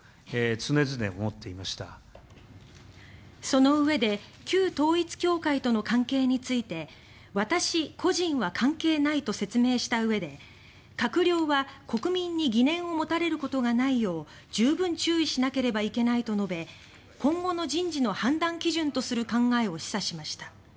そのうえで旧統一教会との関係について私個人は関係ないと説明したうえで閣僚は、国民に疑念を持たれることがないよう十分注意しなければいけないと述べ今後の人事の判断基準とする考えを示唆しました。